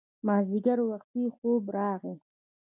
مازیګر وختي خوب راغی